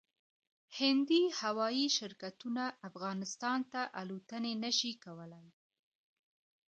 هندي هوايي شرکتونه افغانستان ته الوتنې نشي کولای